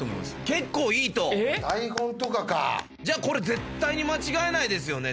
結構いいと台本とかかじゃあこれ絶対に間違えないですよね？